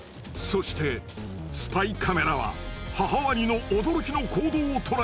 そしてスパイカメラは母ワニの驚きの行動を捉えた！